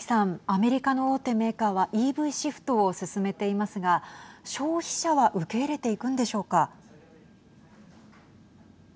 アメリカの大手メーカーはＥＶシフトを進めていますが消費者は受け入れていくんでしょうか。